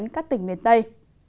các tỉnh miền tây